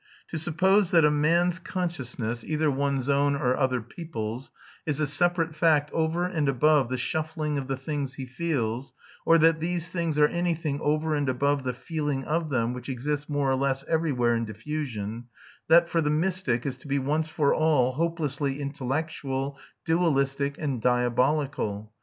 To suppose that a man's consciousness (either one's own or other people's) is a separate fact over and above the shuffling of the things he feels, or that these things are anything over and above the feeling of them which exists more or less everywhere in diffusion that, for the mystic, is to be once for all hopelessly intellectual, dualistic, and diabolical.